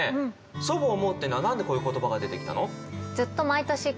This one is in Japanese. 「祖母想ふ」っていうのは何でこういう言葉が出てきたの？